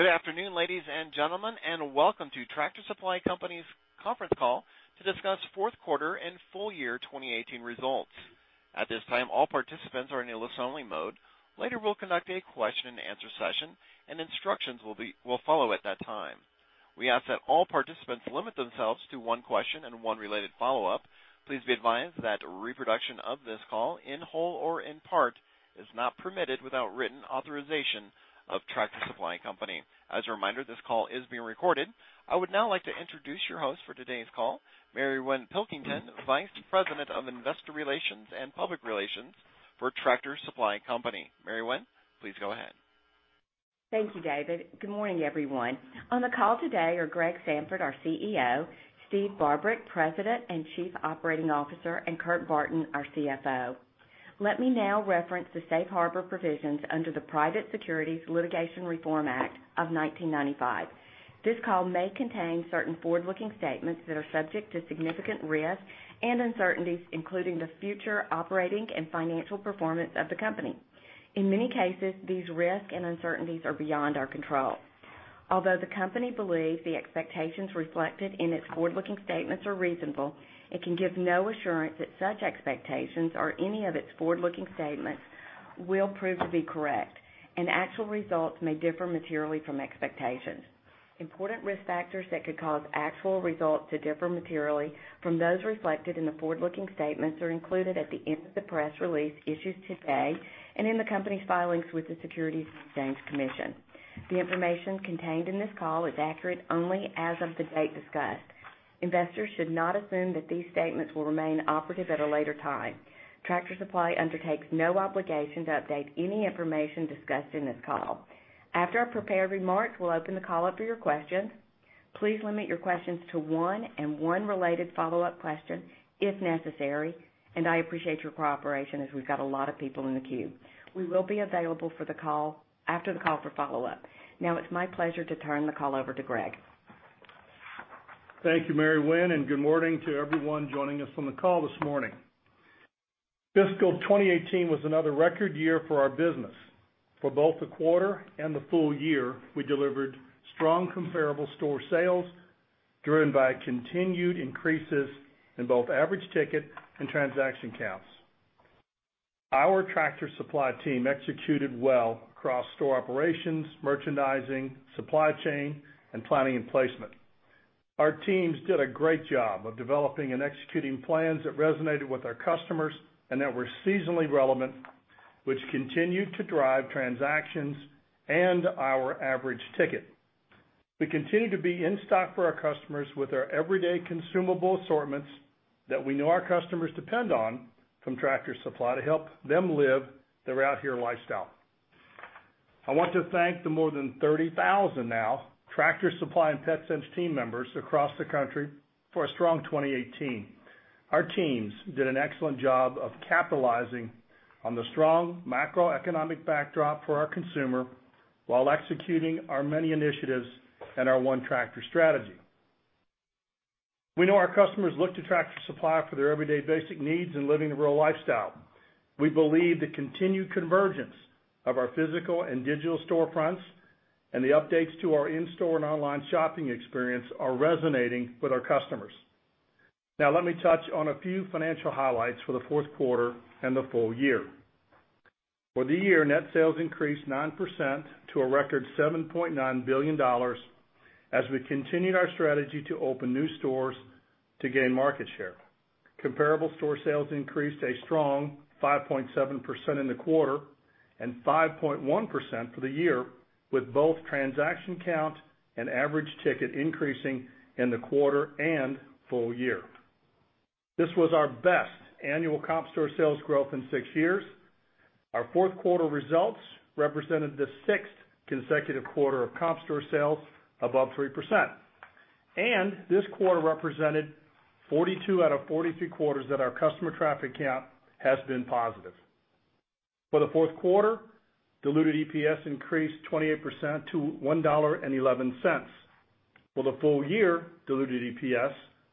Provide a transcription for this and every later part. Good afternoon, ladies and gentlemen, and welcome to Tractor Supply Company's conference call to discuss fourth quarter and full year 2018 results. At this time, all participants are in a listen-only mode. Later, we'll conduct a question-and-answer session, and instructions will follow at that time. We ask that all participants limit themselves to one question and one related follow-up. Please be advised that reproduction of this call, in whole or in part, is not permitted without written authorization of Tractor Supply Company. As a reminder, this call is being recorded. I would now like to introduce your host for today's call, Mary Winn Pilkington, Vice President of Investor Relations and Public Relations for Tractor Supply Company. Mary Winn, please go ahead. Thank you, David. Good morning, everyone. On the call today are Greg Sandfort, our CEO, Steve Barbarick, President and Chief Operating Officer, and Kurt Barton, our CFO. Let me now reference the safe harbor provisions under the Private Securities Litigation Reform Act of 1995. This call may contain certain forward-looking statements that are subject to significant risks and uncertainties, including the future operating and financial performance of the company. In many cases, these risks and uncertainties are beyond our control. Although the company believes the expectations reflected in its forward-looking statements are reasonable, it can give no assurance that such expectations or any of its forward-looking statements will prove to be correct, and actual results may differ materially from expectations. Important risk factors that could cause actual results to differ materially from those reflected in the forward-looking statements are included at the end of the press release issued today and in the company's filings with the Securities and Exchange Commission. The information contained in this call is accurate only as of the date discussed. Investors should not assume that these statements will remain operative at a later time. Tractor Supply undertakes no obligation to update any information discussed in this call. After our prepared remarks, we'll open the call up to your questions. Please limit your questions to one and one related follow-up question if necessary. I appreciate your cooperation, as we've got a lot of people in the queue. We will be available after the call for follow-up. It's my pleasure to turn the call over to Greg. Thank you, Mary Winn, good morning to everyone joining us on the call this morning. Fiscal 2018 was another record year for our business. For both the quarter and the full year, we delivered strong comparable store sales driven by continued increases in both average ticket and transaction counts. Our Tractor Supply team executed well across store operations, merchandising, supply chain, and planning and placement. Our teams did a great job of developing and executing plans that resonated with our customers and that were seasonally relevant, which continued to drive transactions and our average ticket. We continue to be in stock for our customers with our everyday consumable assortments that we know our customers depend on from Tractor Supply to help them live their Out Here lifestyle. I want to thank the more than 30,000 now Tractor Supply and Petsense team members across the country for a strong 2018. Our teams did an excellent job of capitalizing on the strong macroeconomic backdrop for our consumer while executing our many initiatives and our ONETractor strategy. We know our customers look to Tractor Supply for their everyday basic needs in living the rural lifestyle. We believe the continued convergence of our physical and digital storefronts and the updates to our in-store and online shopping experience are resonating with our customers. Let me touch on a few financial highlights for the fourth quarter and the full year. For the year, net sales increased 9% to a record $7.9 billion as we continued our strategy to open new stores to gain market share. Comparable store sales increased a strong 5.7% in the quarter and 5.1% for the year, with both transaction count and average ticket increasing in the quarter and full year. This was our best annual comp store sales growth in six years. Our fourth quarter results represented the sixth consecutive quarter of comp store sales above 3%. This quarter represented 42 out of 43 quarters that our customer traffic count has been positive. For the fourth quarter, diluted EPS increased 28% to $1.11. For the full year, diluted EPS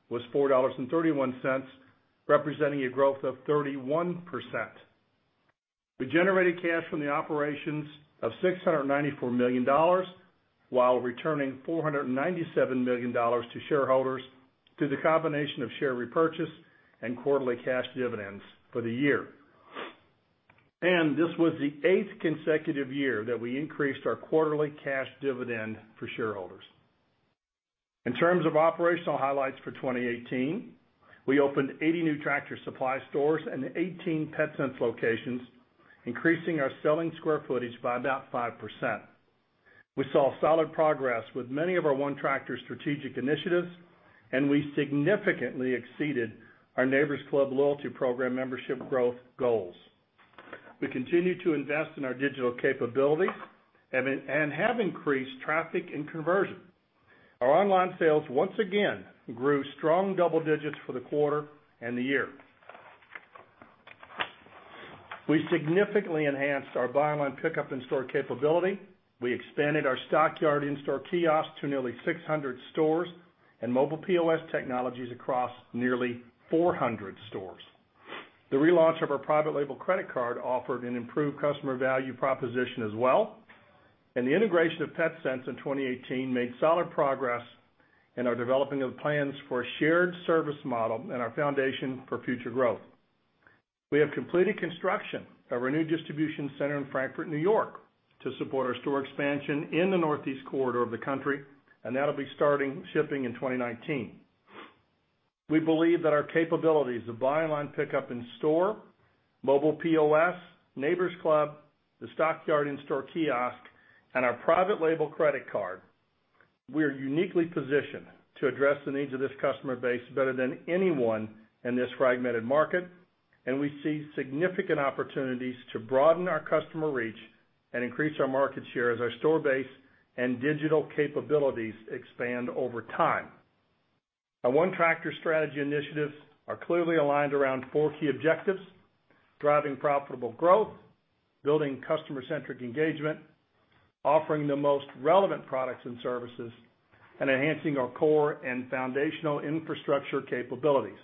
was $4.31, representing a growth of 31%. We generated cash from the operations of $694 million while returning $497 million to shareholders through the combination of share repurchase and quarterly cash dividends for the year. This was the eighth consecutive year that we increased our quarterly cash dividend for shareholders. In terms of operational highlights for 2018, we opened 80 new Tractor Supply stores and 18 Petsense locations, increasing our selling square footage by about 5%. We saw solid progress with many of our ONETractor strategic initiatives. We significantly exceeded our Neighbor's Club loyalty program membership growth goals. We continue to invest in our digital capabilities and have increased traffic and conversion. Our online sales once again grew strong double-digits for the quarter and the year. We significantly enhanced our buy online, pickup in-store capability. We expanded our Stockyard in-store kiosks to nearly 600 stores and mobile POS technologies across nearly 400 stores. The relaunch of our private label credit card offered an improved customer value proposition as well. The integration of Petsense in 2018 made solid progress in our developing of plans for a shared service model and our foundation for future growth. We have completed construction of our new distribution center in Frankfort, New York, to support our store expansion in the Northeast corridor of the country. That'll be starting shipping in 2019. We believe that our capabilities of buy online, pickup in store, mobile POS, Neighbor's Club, the Stockyard in-store kiosk, and our private label credit card, we are uniquely positioned to address the needs of this customer base better than anyone in this fragmented market. We see significant opportunities to broaden our customer reach and increase our market share as our store base and digital capabilities expand over time. Our ONETractor strategy initiatives are clearly aligned around four key objectives: driving profitable growth, building customer-centric engagement, offering the most relevant products and services, and enhancing our core and foundational infrastructure capabilities.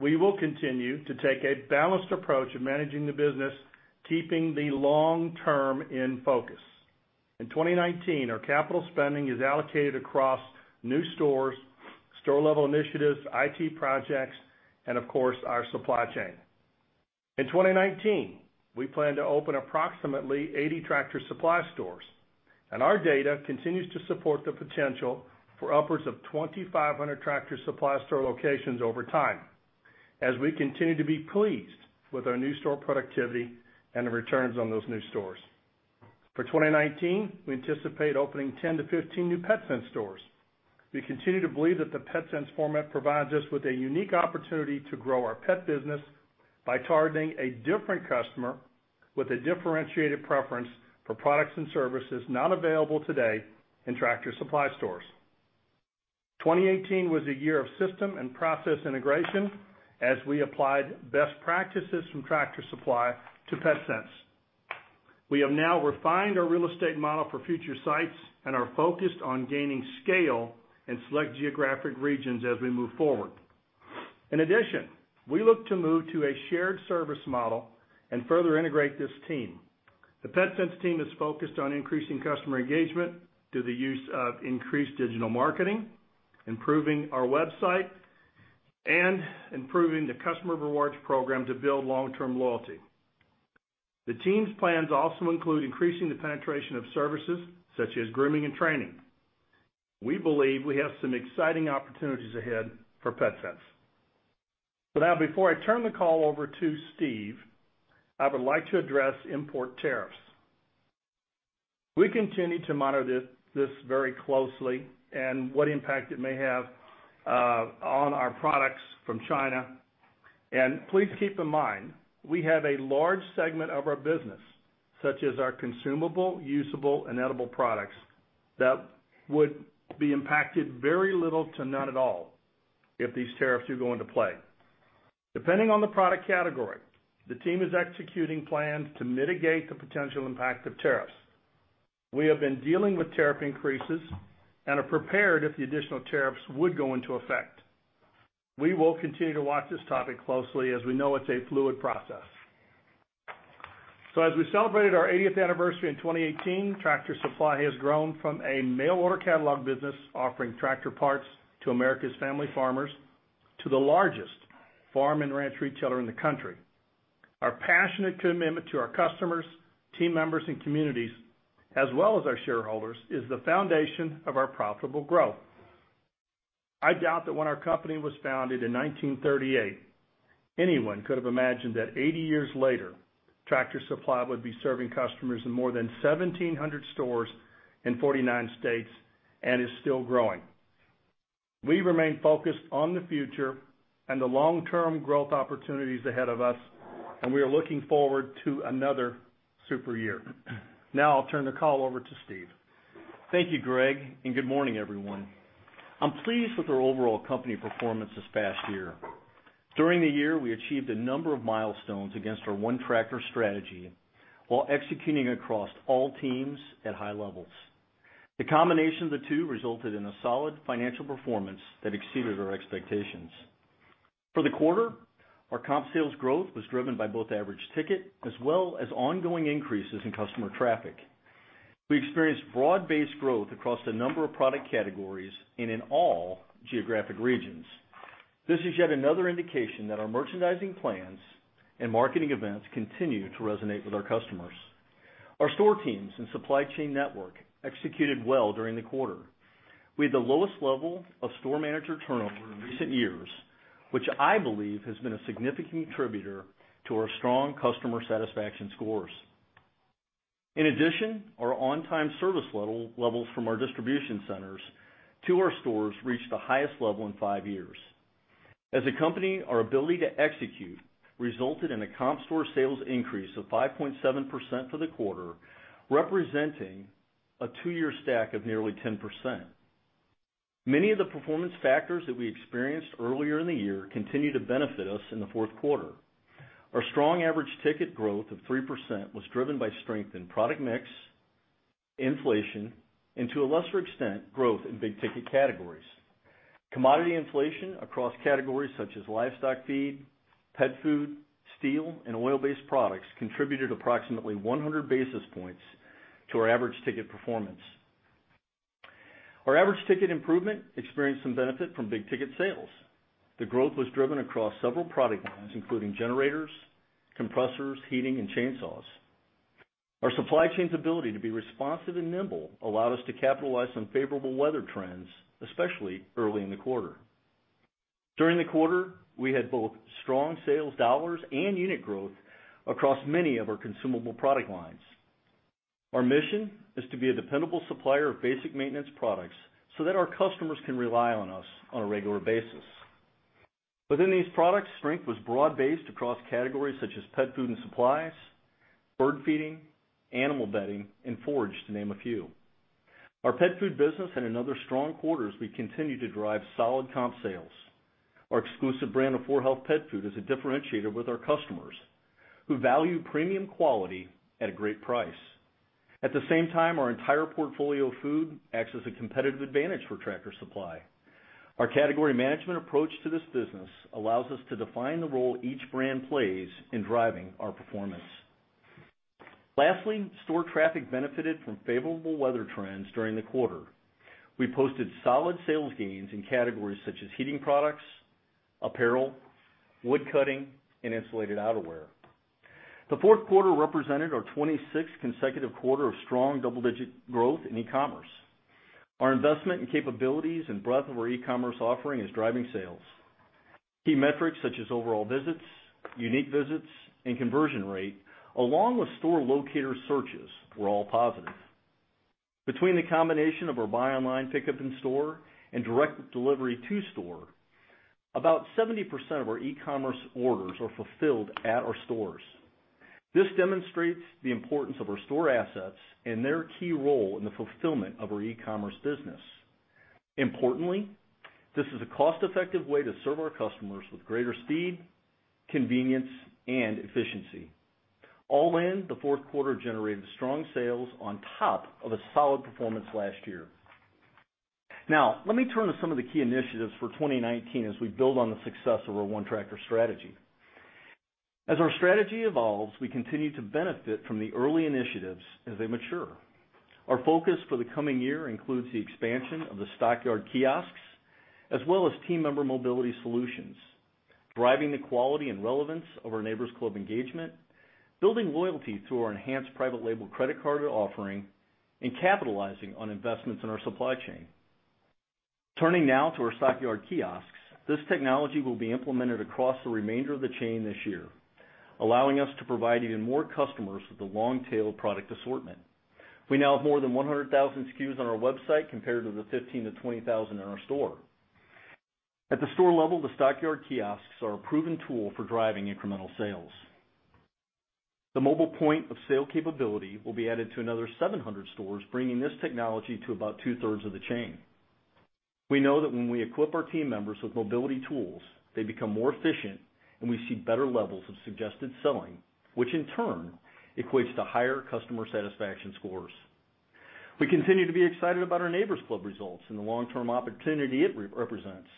We will continue to take a balanced approach in managing the business, keeping the long term in focus. In 2019, our capital spending is allocated across new stores, store-level initiatives, IT projects, and of course, our supply chain. In 2019, we plan to open approximately 80 Tractor Supply stores, and our data continues to support the potential for upwards of 2,500 Tractor Supply store locations over time as we continue to be pleased with our new store productivity and the returns on those new stores. For 2019, we anticipate opening 10-15 new Petsense stores. We continue to believe that the Petsense format provides us with a unique opportunity to grow our pet business by targeting a different customer with a differentiated preference for products and services not available today in Tractor Supply stores. 2018 was a year of system and process integration as we applied best practices from Tractor Supply to Petsense. We have now refined our real estate model for future sites and are focused on gaining scale in select geographic regions as we move forward. In addition, we look to move to a shared service model and further integrate this team. The Petsense team is focused on increasing customer engagement through the use of increased digital marketing, improving our website, and improving the customer rewards program to build long-term loyalty. The team's plans also include increasing the penetration of services such as grooming and training. We believe we have some exciting opportunities ahead for Petsense. Now, before I turn the call over to Steve, I would like to address import tariffs. We continue to monitor this very closely and what impact it may have on our products from China. Please keep in mind, we have a large segment of our business, such as our consumable, usable, and edible products, that would be impacted very little to not at all if these tariffs do go into play. Depending on the product category, the team is executing plans to mitigate the potential impact of tariffs. We have been dealing with tariff increases and are prepared if the additional tariffs would go into effect. We will continue to watch this topic closely, as we know it's a fluid process. As we celebrated our 80th anniversary in 2018, Tractor Supply has grown from a mail-order catalog business offering tractor parts to America's family farmers, to the largest farm and ranch retailer in the country. Our passionate commitment to our customers, team members, and communities, as well as our shareholders, is the foundation of our profitable growth. I doubt that when our company was founded in 1938, anyone could have imagined that 80 years later, Tractor Supply would be serving customers in more than 1,700 stores in 49 states and is still growing. We remain focused on the future and the long-term growth opportunities ahead of us, and we are looking forward to another super year. I'll turn the call over to Steve. Thank you, Greg, and good morning, everyone. I'm pleased with our overall company performance this past year. During the year, we achieved a number of milestones against our ONETractor strategy while executing across all teams at high levels. The combination of the two resulted in a solid financial performance that exceeded our expectations. For the quarter, our comp sales growth was driven by both average ticket as well as ongoing increases in customer traffic. We experienced broad-based growth across a number of product categories and in all geographic regions. This is yet another indication that our merchandising plans and marketing events continue to resonate with our customers. Our store teams and supply chain network executed well during the quarter. We had the lowest level of store manager turnover in recent years, which I believe has been a significant contributor to our strong customer satisfaction scores. Our on-time service levels from our distribution centers to our stores reached the highest level in five years. As a company, our ability to execute resulted in a comp store sales increase of 5.7% for the quarter, representing a two-year stack of nearly 10%. Many of the performance factors that we experienced earlier in the year continued to benefit us in the fourth quarter. Strong average ticket growth of 3% was driven by strength in product mix, inflation, and to a lesser extent, growth in big-ticket categories. Commodity inflation across categories such as livestock feed, pet food, steel, and oil-based products contributed approximately 100 basis points to our average ticket performance. Our average ticket improvement experienced some benefit from big-ticket sales. The growth was driven across several product lines, including generators, compressors, heating, and chainsaws. Our supply chain's ability to be responsive and nimble allowed us to capitalize on favorable weather trends, especially early in the quarter. During the quarter, we had both strong sales dollars and unit growth across many of our consumable product lines. Our mission is to be a dependable supplier of basic maintenance products so that our customers can rely on us on a regular basis. Within these products, strength was broad-based across categories such as pet food and supplies, bird feeding, animal bedding, and forage, to name a few. Our pet food business had another strong quarter as we continue to drive solid comp sales. Our exclusive brand of 4health pet food is a differentiator with our customers, who value premium quality at a great price. At the same time, our entire portfolio of food acts as a competitive advantage for Tractor Supply. Our category management approach to this business allows us to define the role each brand plays in driving our performance. Store traffic benefited from favorable weather trends during the quarter. We posted solid sales gains in categories such as heating products, apparel, wood cutting, and insulated outerwear. The fourth quarter represented our 26th consecutive quarter of strong double-digit growth in e-commerce. Our investment in capabilities and breadth of our e-commerce offering is driving sales. Key metrics such as overall visits, unique visits, and conversion rate, along with store locator searches, were all positive. Between the combination of our buy online/pickup in store and direct delivery to store, about 70% of our e-commerce orders are fulfilled at our stores. This demonstrates the importance of our store assets and their key role in the fulfillment of our e-commerce business. Importantly, this is a cost-effective way to serve our customers with greater speed, convenience, and efficiency. All in, the fourth quarter generated strong sales on top of a solid performance last year. Let me turn to some of the key initiatives for 2019 as we build on the success of our ONETractor strategy. As our strategy evolves, we continue to benefit from the early initiatives as they mature. Our focus for the coming year includes the expansion of the Stockyard Kiosks, as well as team member mobility solutions, driving the quality and relevance of our Neighbor's Club engagement, building loyalty through our enhanced private label credit card offering, and capitalizing on investments in our supply chain. Turning now to our Stockyard Kiosks, this technology will be implemented across the remainder of the chain this year, allowing us to provide even more customers with a long-tail product assortment. We now have more than 100,000 SKUs on our website, compared to the 15,000-20,000 in our store. At the store level, the Stockyard Kiosks are a proven tool for driving incremental sales. The mobile point-of-sale capability will be added to another 700 stores, bringing this technology to about two-thirds of the chain. We know that when we equip our team members with mobility tools, they become more efficient and we see better levels of suggested selling, which in turn equates to higher customer satisfaction scores. We continue to be excited about our Neighbor's Club results and the long-term opportunity it represents.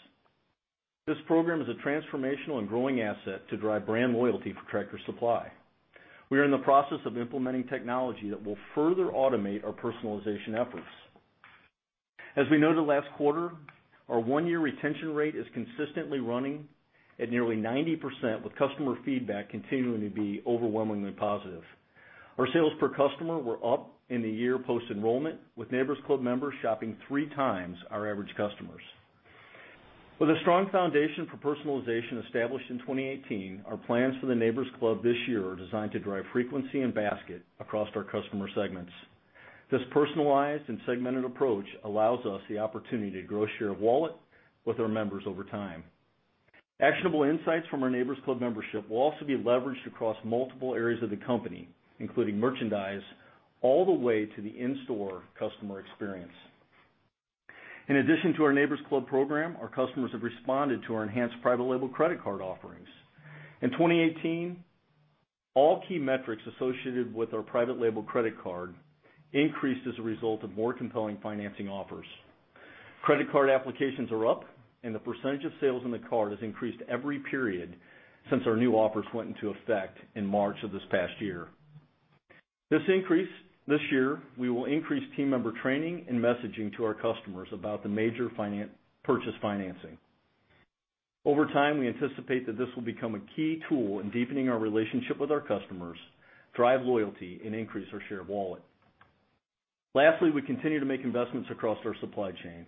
This program is a transformational and growing asset to drive brand loyalty for Tractor Supply. We are in the process of implementing technology that will further automate our personalization efforts. As we noted last quarter, our one-year retention rate is consistently running at nearly 90%, with customer feedback continuing to be overwhelmingly positive. Our sales per customer were up in the year post-enrollment, with Neighbor's Club members shopping three times our average customers. With a strong foundation for personalization established in 2018, our plans for the Neighbor's Club this year are designed to drive frequency and basket across our customer segments. This personalized and segmented approach allows us the opportunity to grow share of wallet with our members over time. Actionable insights from our Neighbor's Club membership will also be leveraged across multiple areas of the company, including merchandise, all the way to the in-store customer experience. In addition to our Neighbor's Club program, our customers have responded to our enhanced private label credit card offerings. In 2018, all key metrics associated with our private label credit card increased as a result of more compelling financing offers. Credit card applications are up, and the percentage of sales on the card has increased every period since our new offers went into effect in March of this past year. This year, we will increase team member training and messaging to our customers about the major purchase financing. Over time, we anticipate that this will become a key tool in deepening our relationship with our customers, drive loyalty, and increase our share of wallet. Lastly, we continue to make investments across our supply chain.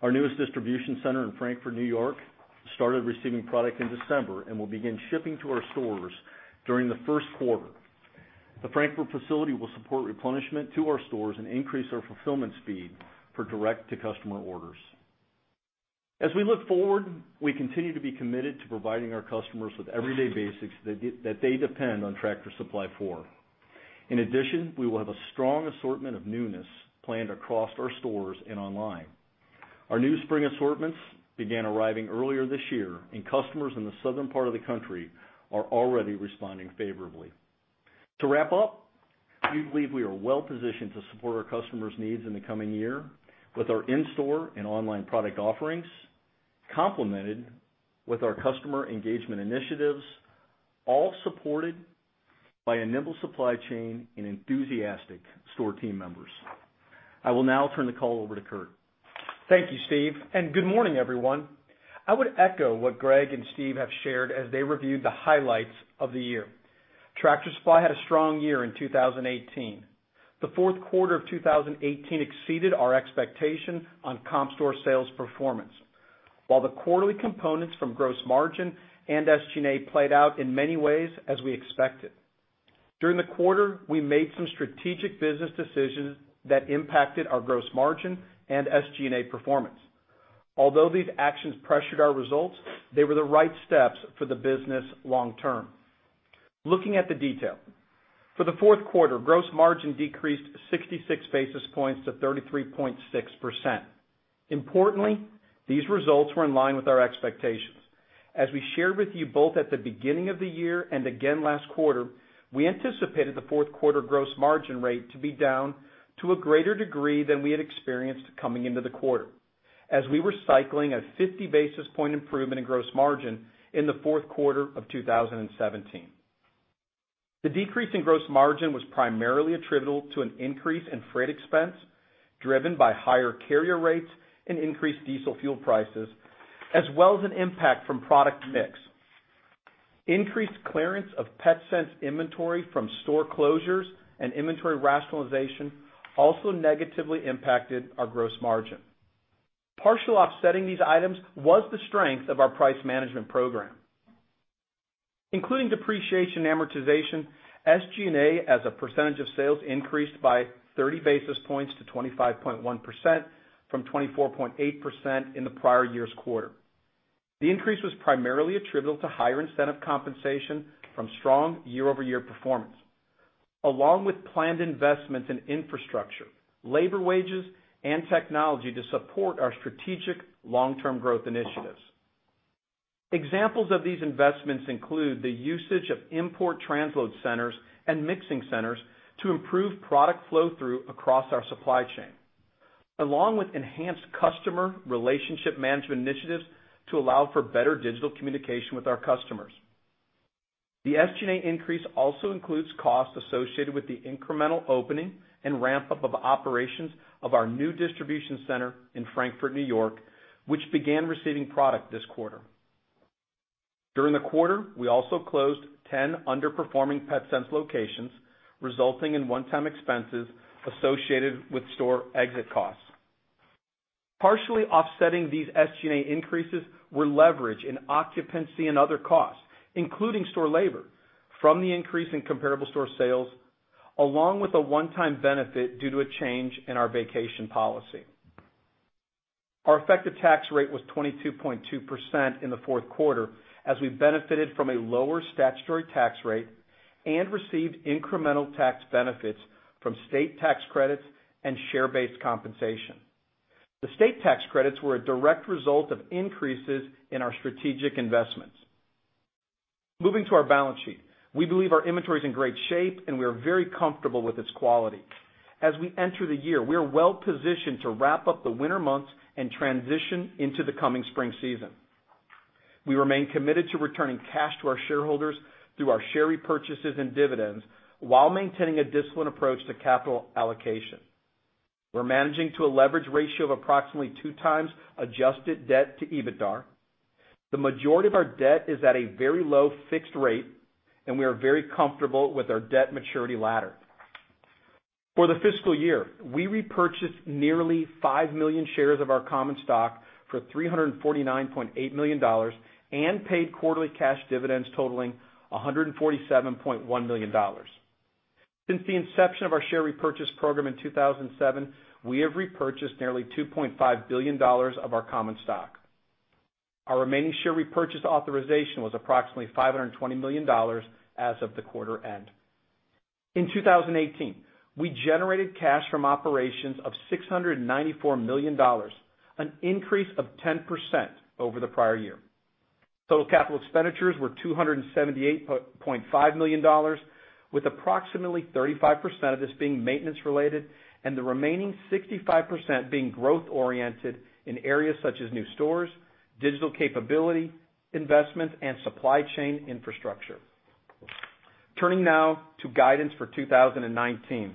Our newest distribution center in Frankfort, New York, started receiving product in December and will begin shipping to our stores during the first quarter. The Frankfort facility will support replenishment to our stores and increase our fulfillment speed for direct-to-customer orders. As we look forward, we continue to be committed to providing our customers with everyday basics that they depend on Tractor Supply for. In addition, we will have a strong assortment of newness planned across our stores and online. Our new spring assortments began arriving earlier this year, and customers in the southern part of the country are already responding favorably. To wrap up, we believe we are well-positioned to support our customers' needs in the coming year with our in-store and online product offerings, complemented with our customer engagement initiatives, all supported by a nimble supply chain and enthusiastic store team members. I will now turn the call over to Kurt. Thank you, Steve, and good morning, everyone. I would echo what Greg and Steve have shared as they reviewed the highlights of the year. Tractor Supply had a strong year in 2018. The fourth quarter of 2018 exceeded our expectation on comp store sales performance. The quarterly components from gross margin and SG&A played out in many ways as we expected. During the quarter, we made some strategic business decisions that impacted our gross margin and SG&A performance. These actions pressured our results, they were the right steps for the business long term. Looking at the detail. For the fourth quarter, gross margin decreased 66 basis points to 33.6%. Importantly, these results were in line with our expectations. As we shared with you both at the beginning of the year and again last quarter, we anticipated the fourth quarter gross margin rate to be down to a greater degree than we had experienced coming into the quarter, as we were cycling a 50 basis point improvement in gross margin in the fourth quarter of 2017. The decrease in gross margin was primarily attributable to an increase in freight expense, driven by higher carrier rates and increased diesel fuel prices, as well as an impact from product mix. Increased clearance of Petsense inventory from store closures and inventory rationalization also negatively impacted our gross margin. Partially offsetting these items was the strength of our price management program. Including depreciation amortization, SG&A as a percentage of sales increased by 30 basis points to 25.1% from 24.8% in the prior year's quarter. The increase was primarily attributable to higher incentive compensation from strong year-over-year performance, along with planned investments in infrastructure, labor wages, and technology to support our strategic long-term growth initiatives. Examples of these investments include the usage of import transload centers and mixing centers to improve product flow through across our supply chain, along with enhanced customer relationship management initiatives to allow for better digital communication with our customers. The SG&A increase also includes costs associated with the incremental opening and ramp-up of operations of our new distribution center in Frankfort, New York, which began receiving product this quarter. During the quarter, we also closed 10 underperforming Petsense locations, resulting in one-time expenses associated with store exit costs. Partially offsetting these SG&A increases were leverage in occupancy and other costs, including store labor, from the increase in comparable store sales, along with a one-time benefit due to a change in our vacation policy. Our effective tax rate was 22.2% in the fourth quarter as we benefited from a lower statutory tax rate and received incremental tax benefits from state tax credits and share-based compensation. The state tax credits were a direct result of increases in our strategic investments. Moving to our balance sheet. We believe our inventory is in great shape, and we are very comfortable with its quality. As we enter the year, we are well-positioned to wrap up the winter months and transition into the coming spring season. We remain committed to returning cash to our shareholders through our share repurchases and dividends while maintaining a disciplined approach to capital allocation. We're managing to a leverage ratio of approximately 2x adjusted debt to EBITDA. The majority of our debt is at a very low fixed rate, and we are very comfortable with our debt maturity ladder. For the fiscal year, we repurchased nearly 5 million shares of our common stock for $349.8 million and paid quarterly cash dividends totaling $147.1 million. Since the inception of our share repurchase program in 2007, we have repurchased nearly $2.5 billion of our common stock. Our remaining share repurchase authorization was approximately $520 million as of the quarter end. In 2018, we generated cash from operations of $694 million, an increase of 10% over the prior year. Total capital expenditures were $278.5 million, with approximately 35% of this being maintenance-related and the remaining 65% being growth-oriented in areas such as new stores, digital capability investments, and supply chain infrastructure. Turning now to guidance for 2019.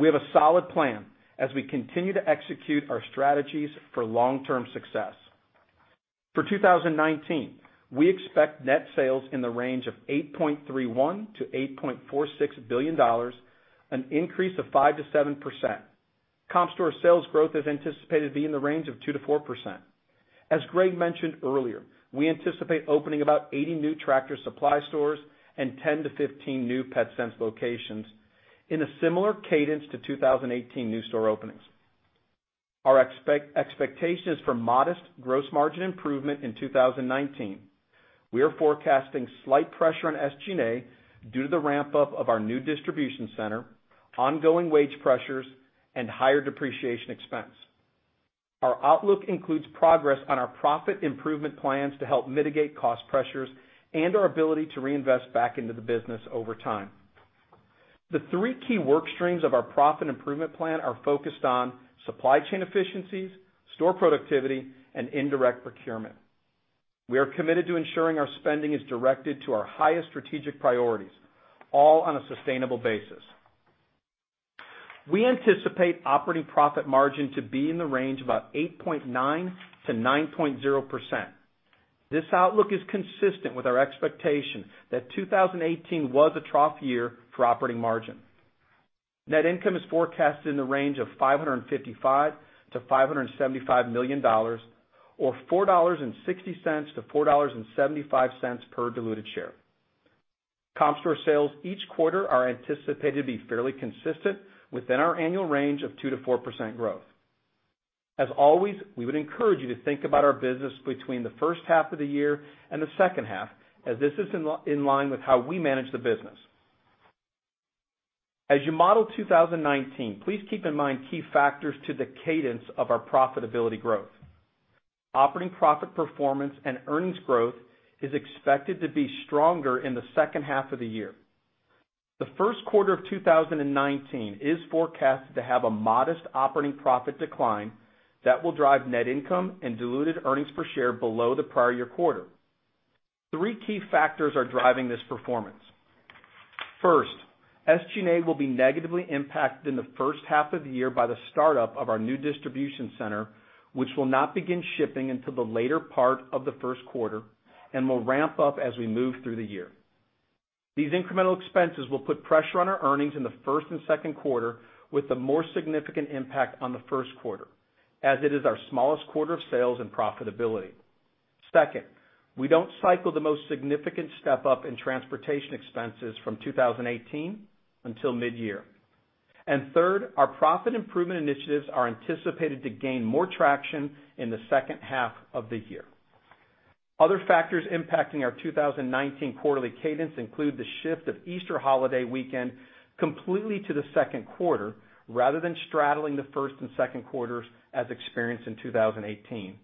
We have a solid plan as we continue to execute our strategies for long-term success. For 2019, we expect net sales in the range of $8.31 billion-$8.46 billion, an increase of 5% to 7%. Comp store sales growth is anticipated to be in the range of 2%-4%. As Greg mentioned earlier, we anticipate opening about 80 new Tractor Supply stores and 10-15 new Petsense locations in a similar cadence to 2018 new store openings. Our expectation is for modest gross margin improvement in 2019. We are forecasting slight pressure on SG&A due to the ramp-up of our new distribution center, ongoing wage pressures, and higher depreciation expense. Our outlook includes progress on our profit improvement plans to help mitigate cost pressures and our ability to reinvest back into the business over time. The three key work streams of our profit improvement plan are focused on supply chain efficiencies, store productivity, and indirect procurement. We are committed to ensuring our spending is directed to our highest strategic priorities, all on a sustainable basis. We anticipate operating profit margin to be in the range of about 8.9%-9.0%. This outlook is consistent with our expectation that 2018 was a trough year for operating margin. Net income is forecasted in the range of $555 million-$575 million, or $4.60-$4.75 per diluted share. Comp store sales each quarter are anticipated to be fairly consistent within our annual range of 2%-4% growth. As always, we would encourage you to think about our business between the first half of the year and the second half, as this is in line with how we manage the business. As you model 2019, please keep in mind key factors to the cadence of our profitability growth. Operating profit performance and earnings growth is expected to be stronger in the second half of the year. The first quarter of 2019 is forecasted to have a modest operating profit decline that will drive net income and diluted earnings per share below the prior year quarter. Three key factors are driving this performance. First, SG&A will be negatively impacted in the first half of the year by the startup of our new distribution center, which will not begin shipping until the later part of the first quarter and will ramp up as we move through the year. These incremental expenses will put pressure on our earnings in the first and second quarter, with a more significant impact on the first quarter, as it is our smallest quarter of sales and profitability. Second, we don't cycle the most significant step-up in transportation expenses from 2018 until mid-year. Third, our profit improvement initiatives are anticipated to gain more traction in the second half of the year. Other factors impacting our 2019 quarterly cadence include the shift of Easter holiday weekend completely to the second quarter, rather than straddling the first and second quarters as experienced in 2018.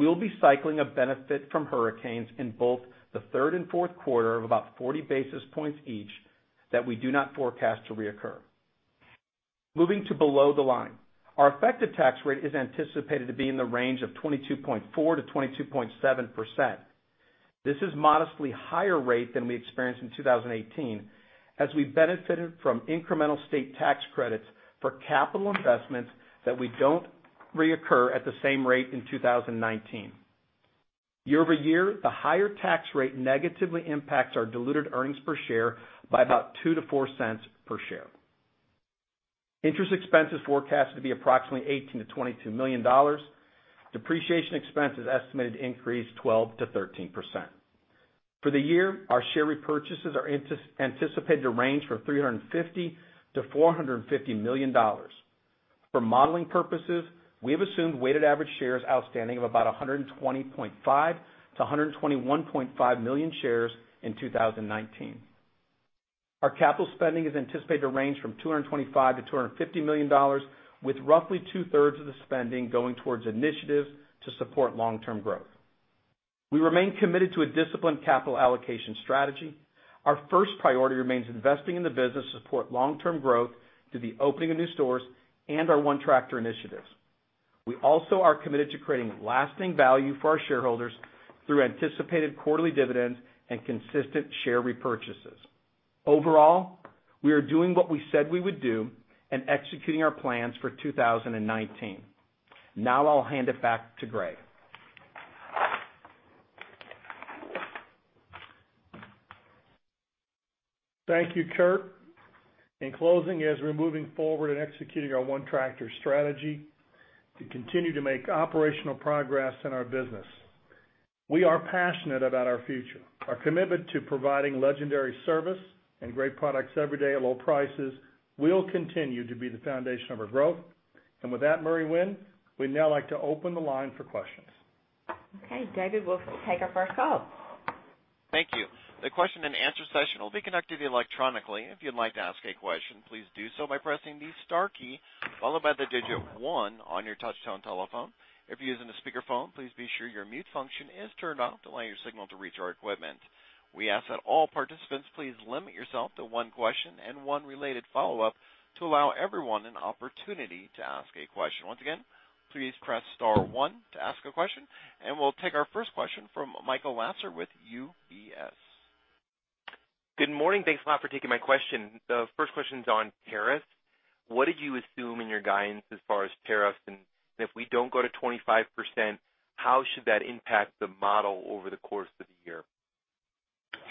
We'll be cycling a benefit from hurricanes in both the third and fourth quarter of about 40 basis points each that we do not forecast to reoccur. Moving to below the line. Our effective tax rate is anticipated to be in the range of 22.4%-22.7%. This is modestly higher rate than we experienced in 2018, as we benefited from incremental state tax credits for capital investments that we don't reoccur at the same rate in 2019. Year-over-year, the higher tax rate negatively impacts our diluted earnings per share by about $0.02 to $0.04 per share. Interest expense is forecasted to be approximately $18 million-$22 million. Depreciation expense is estimated to increase 12% to 13%. For the year, our share repurchases are anticipated to range from $350 million-$450 million. For modeling purposes, we have assumed weighted average shares outstanding of about 120.5 million-121.5 million shares in 2019. Our capital spending is anticipated to range from $225 million-$250 million, with roughly 2/3 of the spending going towards initiatives to support long-term growth. We remain committed to a disciplined capital allocation strategy. Our first priority remains investing in the business to support long-term growth through the opening of new stores and our ONETractor initiatives. We also are committed to creating lasting value for our shareholders through anticipated quarterly dividends and consistent share repurchases. Overall, we are doing what we said we would do and executing our plans for 2019. Now, I'll hand it back to Greg. Thank you, Kurt. In closing, as we're moving forward in executing our ONETractor strategy, to continue to make operational progress in our business. We are passionate about our future. Our commitment to providing legendary service and great products every day at low prices will continue to be the foundation of our growth. With that Mary Winn, we'd now like to open the line for questions. Okay, David, we'll take our first call. Thank you. The question-and-answer session will be conducted electronically. If you'd like to ask a question, please do so by pressing the star key, followed by the digit one on your touch-tone telephone. If you're using a speakerphone, please be sure your mute function is turned off to allow your signal to reach our equipment. We ask that all participants please limit yourself to one question and one related follow-up to allow everyone an opportunity to ask a question. Once again, please press star one to ask a question. We'll take our first question from Michael Lasser with UBS. Good morning. Thanks a lot for taking my question. The first question's on tariffs. What did you assume in your guidance as far as tariffs? If we don't go to 25%, how should that impact the model over the course of the year?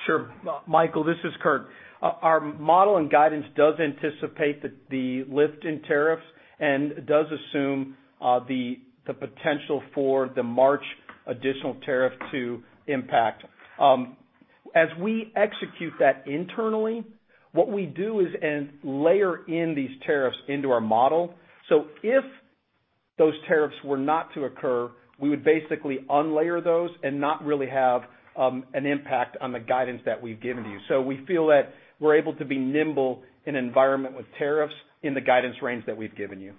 Sure. Michael, this is Kurt. Our model and guidance does anticipate the lift in tariffs and does assume the potential for the March additional tariff to impact. As we execute that internally, what we do is layer in these tariffs into our model. Those tariffs were not to occur, we would basically unlayer those and not really have an impact on the guidance that we've given you. We feel that we're able to be nimble in an environment with tariffs in the guidance range that we've given you.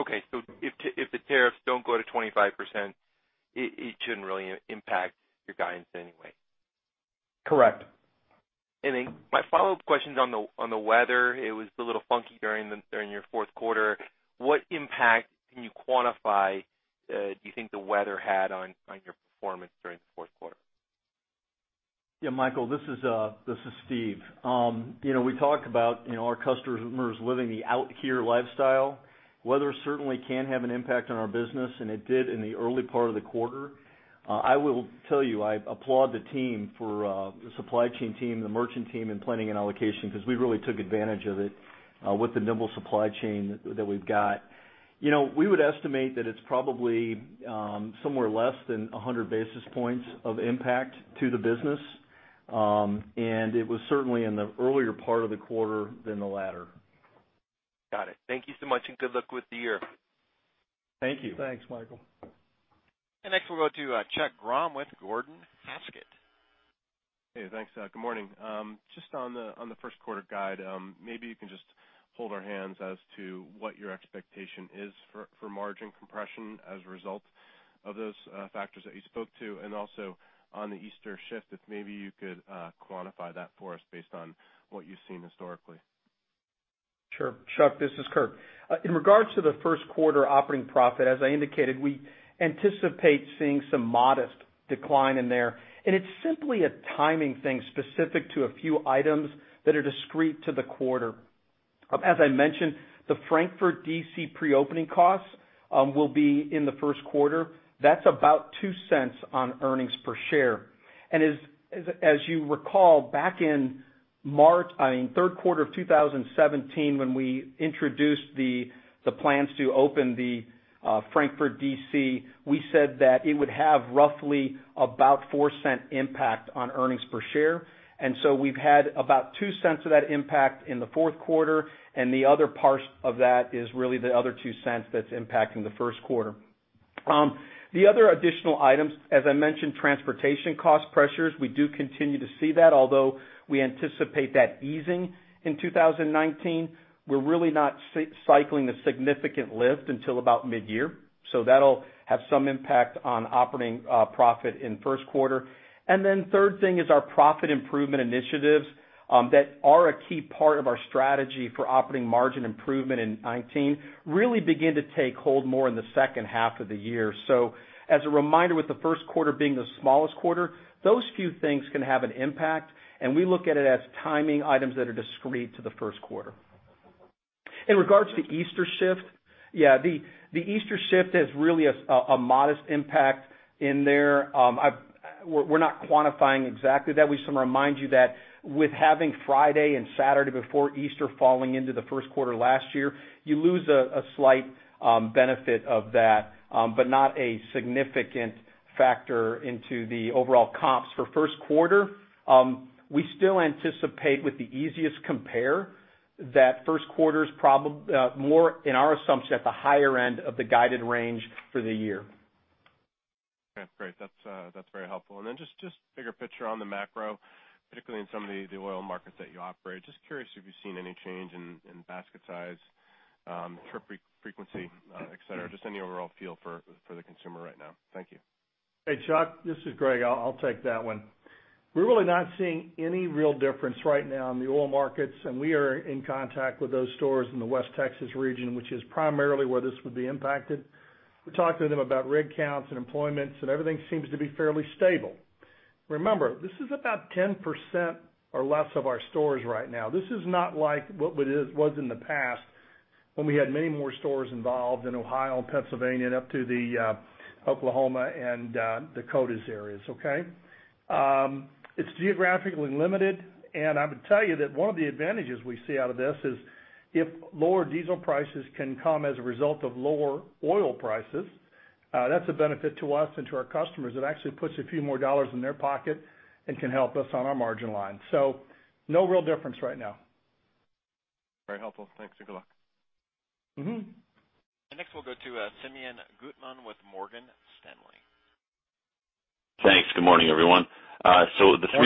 Okay. If the tariffs don't go to 25%, it shouldn't really impact your guidance anyway. Correct. My follow-up question's on the weather. It was a little funky during your fourth quarter. What impact can you quantify do you think the weather had on your performance during the fourth quarter? Michael, this is Steve. We talked about our customers living the Out Here lifestyle. Weather certainly can have an impact on our business, and it did in the early part of the quarter. I will tell you, I applaud the team, the supply chain team, the merchant team, and planning and allocation, because we really took advantage of it with the nimble supply chain that we've got. We would estimate that it's probably somewhere less than 100 basis points of impact to the business. It was certainly in the earlier part of the quarter than the latter. Got it. Thank you so much, and good luck with the year. Thank you. Thanks, Michael. Next we'll go to Chuck Grom with Gordon Haskett. Hey, thanks. Good morning. Just on the first quarter guide, maybe you can just hold our hands as to what your expectation is for margin compression as a result of those factors that you spoke to, and also on the Easter shift, if maybe you could quantify that for us based on what you've seen historically. Sure. Chuck, this is Kurt. In regards to the first quarter operating profit, as I indicated, we anticipate seeing some modest decline in there. It's simply a timing thing specific to a few items that are discrete to the quarter. As I mentioned, the Frankfort DC pre-opening costs will be in the first quarter. That's about $0.02 on earnings per share. As you recall, back in third quarter of 2017 when we introduced the plans to open the Frankfort DC, we said that it would have roughly about a $0.04 impact on earnings per share. We've had about $0.02 of that impact in the fourth quarter, and the other part of that is really the other $0.02 that's impacting the first quarter. The other additional items, as I mentioned, transportation cost pressures. We do continue to see that, although we anticipate that easing in 2019. We're really not cycling a significant lift until about mid-year. That'll have some impact on operating profit in the first quarter. The third thing is our profit improvement initiatives that are a key part of our strategy for operating margin improvement in 2019, really begin to take hold more in the second half of the year. As a reminder, with the first quarter being the smallest quarter, those few things can have an impact, and we look at it as timing items that are discrete to the first quarter. In regards to Easter shift, yeah, the Easter shift is really a modest impact in there. We're not quantifying exactly that. We just remind you that with having Friday and Saturday before Easter falling into the first quarter last year, you lose a slight benefit of that, but not a significant factor into the overall comps for the first quarter. We still anticipate with the easiest compare, that first quarter's more, in our assumption, at the higher end of the guided range for the year. Okay, great. That's very helpful. Then just bigger picture on the macro, particularly in some of the oil markets that you operate. Just curious if you've seen any change in basket size, trip frequency, et cetera. Just any overall feel for the consumer right now. Thank you. Hey, Chuck, this is Greg. I'll take that one. We're really not seeing any real difference right now in the oil markets. We are in contact with those stores in the West Texas region, which is primarily where this would be impacted. We talked to them about rig counts and employments. Everything seems to be fairly stable. Remember, this is about 10% or less of our stores right now. This is not like what it was in the past when we had many more stores involved in Ohio and Pennsylvania and up to the Oklahoma and Dakota areas. Okay? It's geographically limited. I would tell you that one of the advantages we see out of this is if lower diesel prices can come as a result of lower oil prices, that's a benefit to us and to our customers. It actually puts a few more dollars in their pocket and can help us on our margin line. No real difference right now. Very helpful. Thanks, good luck. Next, we'll go to Simeon Gutman with Morgan Stanley. Thanks. Good morning, everyone. Good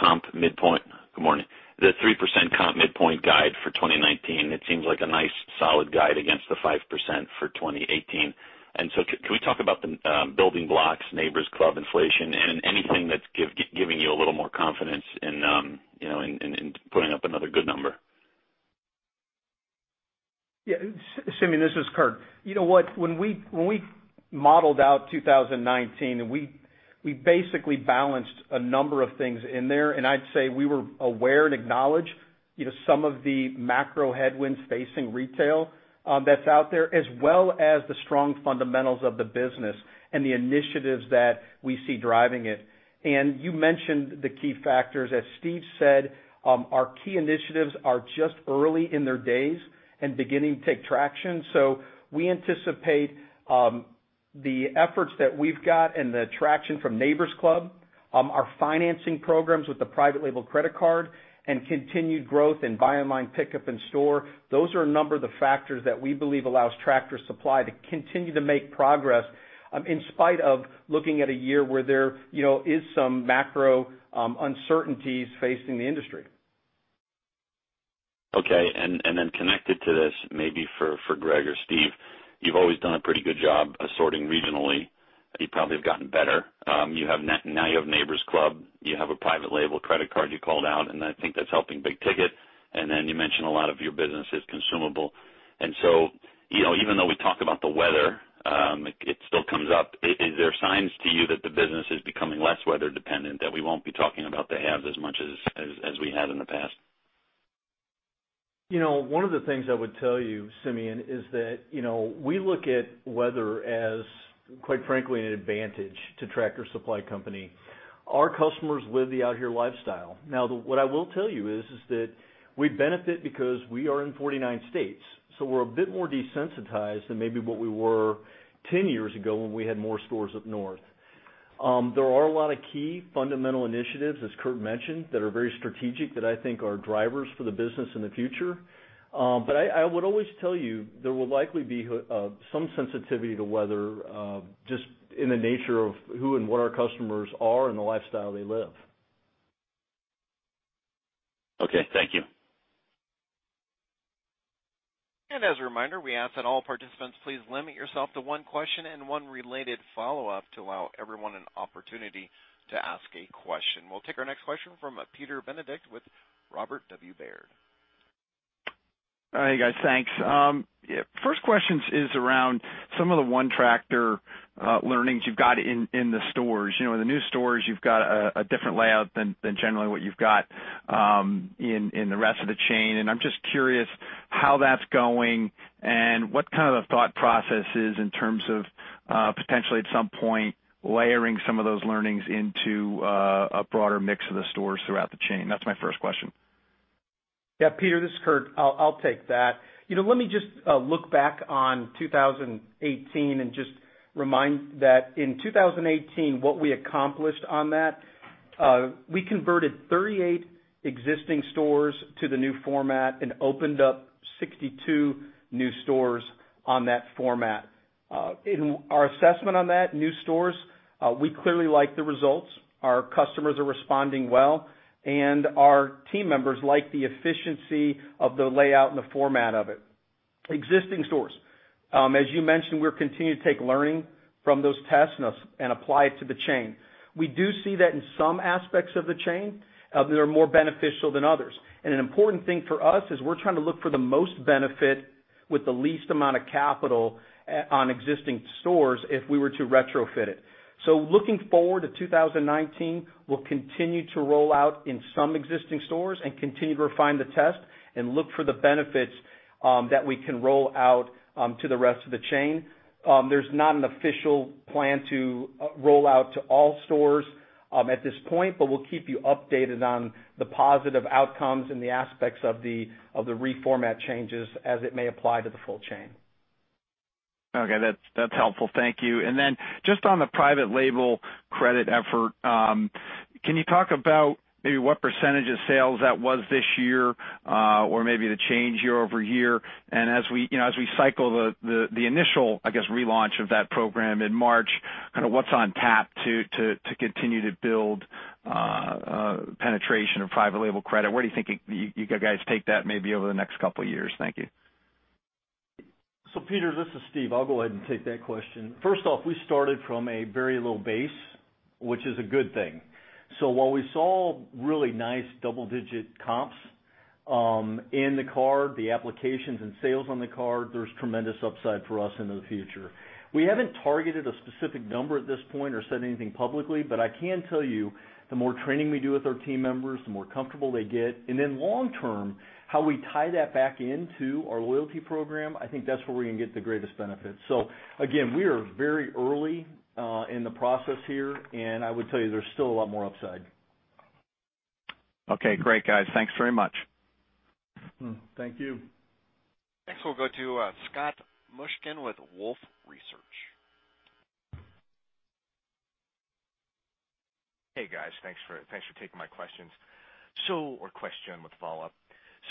morning. Good morning. The 3% comp midpoint guide for 2019, it seems like a nice solid guide against the 5% for 2018. Can we talk about the building blocks, Neighbor's Club, inflation, and anything that's giving you a little more confidence in putting up another good number? Simeon, this is Kurt. You know what? When we modeled out 2019, we basically balanced a number of things in there, and I'd say we were aware and acknowledge some of the macro headwinds facing retail that's out there, as well as the strong fundamentals of the business and the initiatives that we see driving it. You mentioned the key factors. As Steve said, our key initiatives are just early in their days and beginning to take traction. We anticipate the efforts that we've got and the traction from Neighbor's Club, our financing programs with the private label credit card, and continued growth in Buy Online Pickup in Store, those are a number of the factors that we believe allows Tractor Supply to continue to make progress in spite of looking at a year where there is some macro uncertainties facing the industry. Okay. Connected to this, maybe for Greg or Steve, you've always done a pretty good job assorting regionally. You probably have gotten better. Now you have Neighbor's Club. You have a private label credit card you called out, and I think that's helping big ticket. You mentioned a lot of your business is consumable. Even though we talk about the weather, it still comes up. Are there signs to you that the business is becoming less weather dependent that we won't be talking about the halves as much as we have in the past? One of the things I would tell you, Simeon, is that we look at weather as, quite frankly, an advantage to Tractor Supply Company. Our customers live the Out Here lifestyle. What I will tell you is that we benefit because we are in 49 states, so we're a bit more desensitized than maybe what we were 10 years ago when we had more stores up north. There are a lot of key fundamental initiatives, as Kurt mentioned, that are very strategic, that I think are drivers for the business in the future. I would always tell you, there will likely be some sensitivity to weather, just in the nature of who and what our customers are and the lifestyle they live. Okay, thank you. As a reminder, we ask that all participants please limit yourself to one question and one related follow-up to allow everyone an opportunity to ask a question. We'll take our next question from Peter Benedict with Robert W. Baird. Hi, guys. Thanks. First question is around some of the ONETractor learnings you've got in the stores. In the new stores, you've got a different layout than generally what you've got in the rest of the chain, and I'm just curious how that's going and what kind of the thought process is in terms of potentially at some point layering some of those learnings into a broader mix of the stores throughout the chain. That's my first question. Yeah. Peter, this is Kurt. I'll take that. Let me just look back on 2018 and just remind that in 2018, what we accomplished on that, we converted 38 existing stores to the new format and opened up 62 new stores on that format. In our assessment on that, new stores, we clearly like the results. Our customers are responding well, and our team members like the efficiency of the layout and the format of it. Existing stores, as you mentioned, we're continuing to take learning from those tests and apply it to the chain. We do see that in some aspects of the chain, they're more beneficial than others. An important thing for us is we're trying to look for the most benefit with the least amount of capital on existing stores if we were to retrofit it. Looking forward to 2019, we'll continue to roll out in some existing stores and continue to refine the test and look for the benefits that we can roll out to the rest of the chain. There's not an official plan to roll out to all stores at this point, but we'll keep you updated on the positive outcomes and the aspects of the reformat changes as it may apply to the full chain. Okay. That's helpful. Thank you. Then just on the private label credit effort, can you talk about maybe what percentage of sales that was this year, or maybe the change year-over-year? As we cycle the initial, I guess, relaunch of that program in March, kind of what's on tap to continue to build penetration of private label credit? Where do you think you guys take that maybe over the next couple of years? Thank you. Peter, this is Steve. I'll go ahead and take that question. First off, we started from a very low base, which is a good thing. While we saw really nice double-digit comps in the card, the applications and sales on the card, there's tremendous upside for us into the future. We haven't targeted a specific number at this point or said anything publicly, but I can tell you the more training we do with our team members, the more comfortable they get. Then long term, how we tie that back into our loyalty program, I think that's where we're going to get the greatest benefit. Again, we are very early in the process here, and I would tell you there's still a lot more upside. Okay, great, guys. Thanks very much. Thank you. Next, we'll go to Scott Mushkin with Wolfe Research. Hey, guys. Thanks for taking my questions, or question with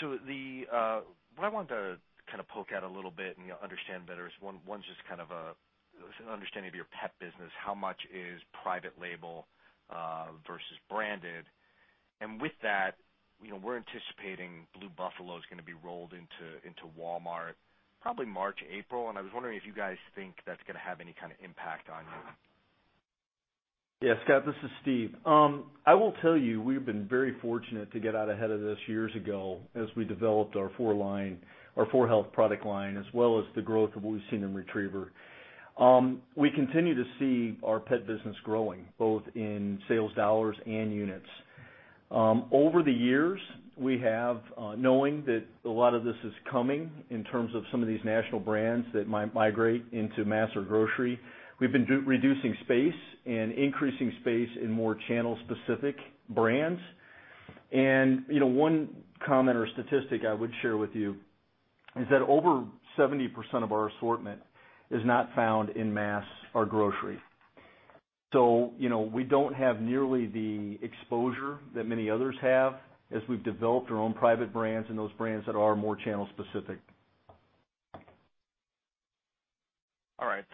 follow-up. What I wanted to kind of poke at a little bit and understand better is one's just kind of an understanding of your pet business. How much is private label versus branded? And with that, we're anticipating Blue Buffalo is going to be rolled into Walmart probably March, April, and I was wondering if you guys think that's going to have any kind of impact on you. Yeah, Scott, this is Steve. I will tell you, we've been very fortunate to get out ahead of this years ago as we developed our 4health product line as well as the growth of what we've seen in Retriever. We continue to see our pet business growing both in sales dollars and units. Over the years, knowing that a lot of this is coming in terms of some of these national brands that might migrate into master grocery, we've been reducing space and increasing space in more channel-specific brands. One comment or statistic I would share with you is that over 70% of our assortment is not found in mass or grocery. We don't have nearly the exposure that many others have as we've developed our own private brands and those brands that are more channel specific. All right.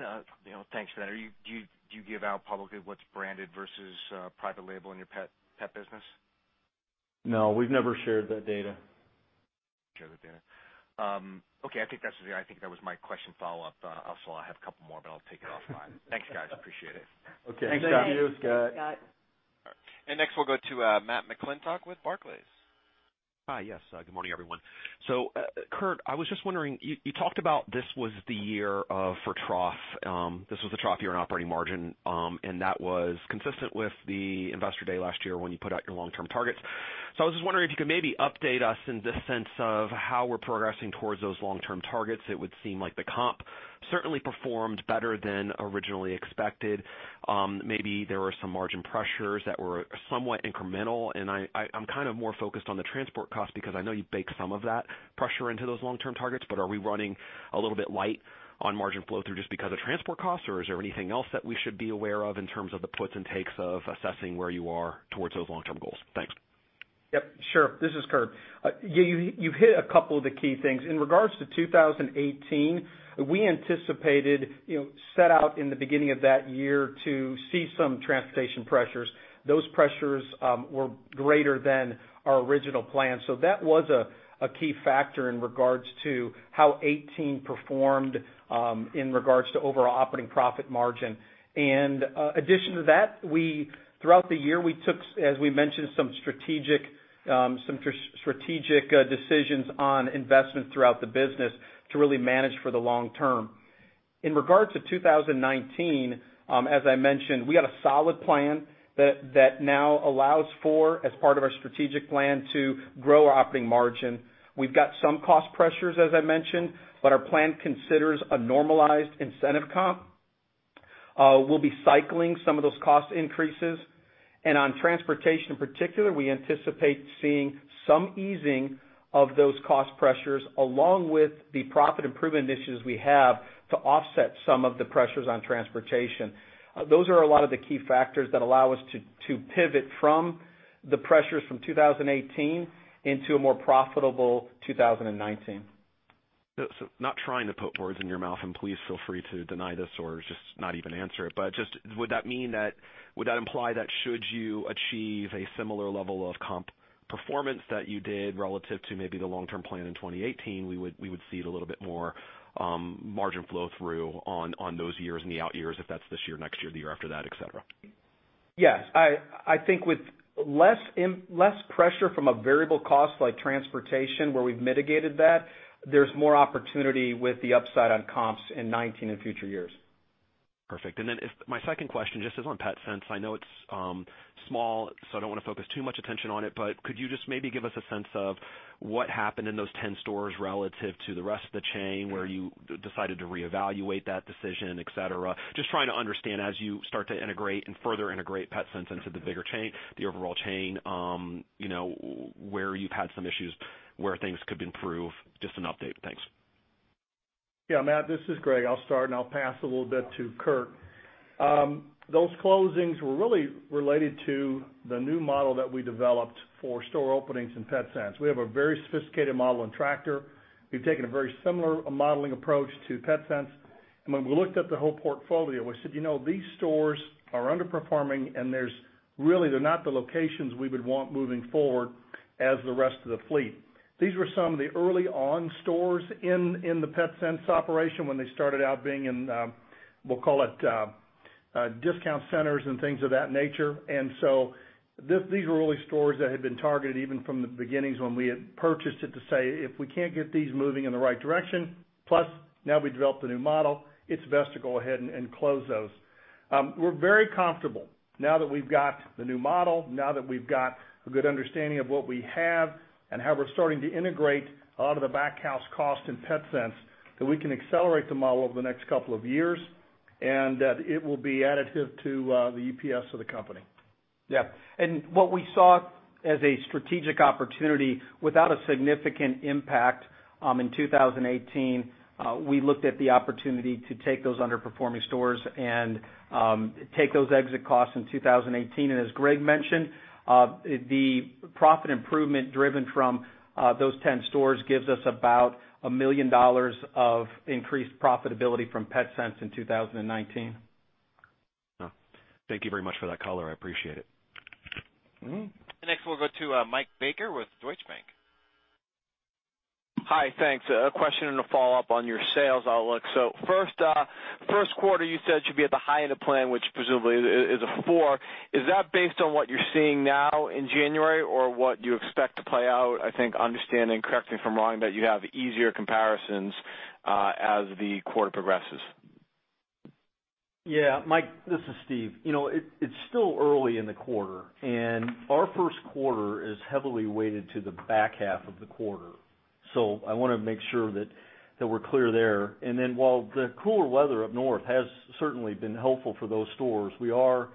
Thanks for that. Do you give out publicly what's branded versus private label in your pet business? No, we've never shared that data. Shared that data. Okay. I think that was my question follow-up. Also, I have a couple more, but I'll take it offline. Thanks, guys. Appreciate it. Okay. Thanks, Scott. Thanks, Scott. Thanks, Scott. Next, we'll go to Matt McClintock with Barclays. Hi. Yes. Good morning, everyone. Kurt, I was just wondering, you talked about this was the year for trough, this was the trough year in operating margin. That was consistent with the Investor Day last year when you put out your long-term targets. I was just wondering if you could maybe update us in the sense of how we're progressing towards those long-term targets. It would seem like the comp certainly performed better than originally expected. Maybe there were some margin pressures that were somewhat incremental, and I'm more focused on the transport cost because I know you bake some of that pressure into those long-term targets. Are we running a little bit light on margin flow through just because of transport costs? Or is there anything else that we should be aware of in terms of the puts and takes of assessing where you are towards those long-term goals? Thanks. Yes. Sure. This is Kurt. You hit a couple of the key things. In regards to 2018, we anticipated, set out in the beginning of that year to see some transportation pressures. Those pressures were greater than our original plan. That was a key factor in regards to how 2018 performed in regards to overall operating profit margin. In addition to that, throughout the year, we took, as we mentioned, some strategic decisions on investment throughout the business to really manage for the long term. In regards to 2019, as I mentioned, we've got a solid plan that now allows for, as part of our strategic plan to grow our operating margin. We've got some cost pressures, as I mentioned, but our plan considers a normalized incentive comp. We'll be cycling some of those cost increases. On transportation in particular, we anticipate seeing some easing of those cost pressures, along with the profit improvement initiatives we have to offset some of the pressures on transportation. Those are a lot of the key factors that allow us to pivot from the pressures from 2018 into a more profitable 2019. Not trying to put words in your mouth, please feel free to deny this or just not even answer it, would that imply that should you achieve a similar level of comp performance that you did relative to maybe the long-term plan in 2018, we would see a little bit more margin flow through on those years and the out years if that's this year, next year, the year after that, et cetera? Yes. I think with less pressure from a variable cost like transportation where we've mitigated that, there's more opportunity with the upside on comps in 2019 and future years. My second question, just is on Petsense. I know it's small, so I don't want to focus too much attention on it, but could you just maybe give us a sense of what happened in those 10 stores relative to the rest of the chain where you decided to reevaluate that decision, et cetera? Just trying to understand as you start to integrate and further integrate Petsense into the bigger chain, the overall chain, where you've had some issues, where things could improve. Just an update. Thanks. Yeah, Matt, this is Greg. I'll start. I'll pass a little bit to Kurt. Those closings were really related to the new model that we developed for store openings in Petsense. We have a very sophisticated model in Tractor. We've taken a very similar modeling approach to Petsense. When we looked at the whole portfolio, we said, "These stores are underperforming, and really they're not the locations we would want moving forward as the rest of the fleet." These were some of the early on stores in the Petsense operation when they started out being in, we'll call it discount centers and things of that nature. These were early stores that had been targeted even from the beginnings when we had purchased it to say, "If we can't get these moving in the right direction, plus now we developed a new model, it's best to go ahead and close those." We're very comfortable now that we've got the new model, now that we've got a good understanding of what we have and how we're starting to integrate a lot of the back house cost in Petsense, that we can accelerate the model over the next couple of years, and that it will be additive to the EPS of the company. Yeah. What we saw as a strategic opportunity without a significant impact in 2018, we looked at the opportunity to take those underperforming stores and take those exit costs in 2018. As Greg mentioned, the profit improvement driven from those 10 stores gives us about $1 million of increased profitability from Petsense in 2019. Thank you very much for that color. I appreciate it. Next, we'll go to Mike Baker with Deutsche Bank. Hi. Thanks. A question and a follow-up on your sales outlook. First quarter, you said should be at the high end of plan, which presumably is a four. Is that based on what you're seeing now in January or what you expect to play out? I think understanding, correct me if I'm wrong, you have easier comparisons as the quarter progresses. Yeah. Mike, this is Steve. It's still early in the quarter, our first quarter is heavily weighted to the back half of the quarter. I want to make sure that we're clear there. While the cooler weather up north has certainly been helpful for those stores, we are